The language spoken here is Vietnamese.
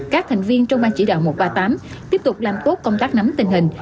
các thành viên trong ban chỉ đạo một trăm ba mươi tám tiếp tục làm tốt công tác nắm tình hình